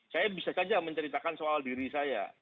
saya bisa saja menceritakan soal diri saya